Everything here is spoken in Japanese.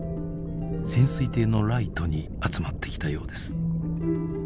潜水艇のライトに集まってきたようです。